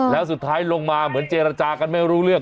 แล้วสุดท้ายลงมาเหมือนเจรจากันไม่รู้เรื่อง